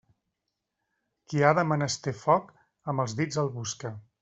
Qui ha de menester foc, amb els dits el busca.